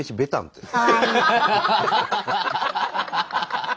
ハハハハ！